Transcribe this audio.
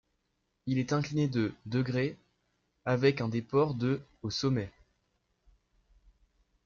Elle est inclinée de °, avec un déport de au sommet.